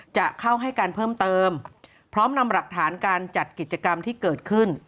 จะเข้าให้การเพิ่มเติมพร้อมนำหลักฐานการจัดกิจกรรมที่เกิดขึ้น